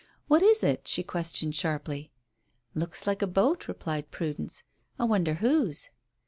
"What is it?" she questioned sharply. "Looks like a boat," replied Prudence. "I wonder whose?"